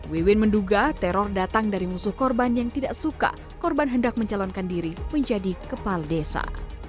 wewin menduga teror datang dari musuh korban yang tidak suka korban hendak mencalonkan diri menjadi kepala desa